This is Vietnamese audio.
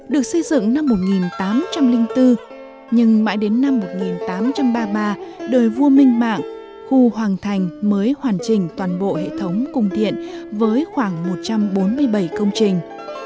được xây dựng năm một nghìn tám trăm linh bốn nhưng mãi đến năm một nghìn tám trăm ba mươi ba đời vua minh mạng khu hoàng thành mới hoàn chỉnh toàn bộ hệ thống cung điện với khoảng một trăm bốn mươi bảy công trình